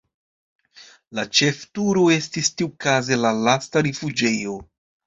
La ĉefturo estis tiukaze la lasta rifuĝejo.